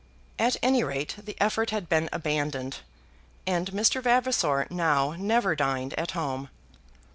At any rate the effort had been abandoned, and Mr. Vavasor now never dined at home.